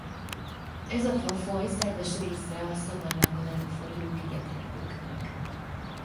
Ez a fafaj szerves része a szavannákon előforduló ligeterdőknek.